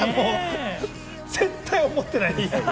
絶対思ってないです。